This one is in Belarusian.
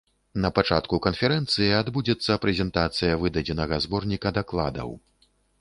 На пачатку канферэнцыі адбудзецца прэзентацыя выдадзенага зборніка дакладаў.